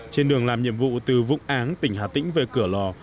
trên đường làm nhiệm vụ từ vũng áng tỉnh hà tĩnh về cửa lò